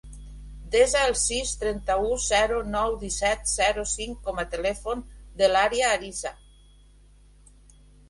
Desa el sis, trenta-u, zero, nou, disset, zero, cinc com a telèfon de l'Aria Ariza.